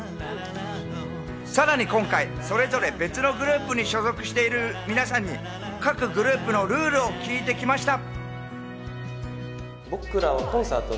さらに今回、それぞれ別のグループに所属している皆さんに各グループのルールを聞いてきました。